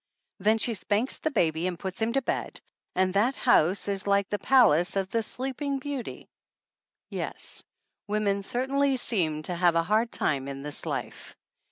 Then she spanks the baby and puts him to bed, and that house is like the palace of the Sleeping Beauty. Yes, women certainly seem to have a hard time in this life.